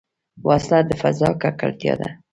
وسله د فضا ککړتیا ده